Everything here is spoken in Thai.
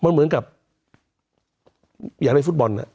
เหมือนกับอย่างในฟุตบอล